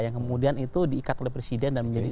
yang kemudian itu diikat oleh presiden dan menjadi